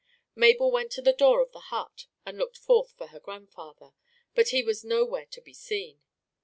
Mabel went to the door of the hut, and looked forth for her grandfather, but he was nowhere to be seen.